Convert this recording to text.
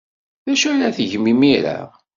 D acu ara tgemt imir-a?